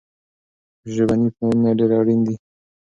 ژبني پلانونه ډېر اړين دي.